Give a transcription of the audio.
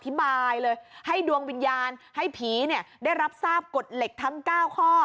บายเลยให้ดวงวิญญาณให้ผีได้รับทราบกฎเหล็กทั้ง๙ข้อ